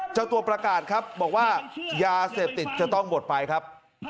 เจ้าตัวประกาศครับบอกว่ายาเสพติดจะต้องหมดไปครับ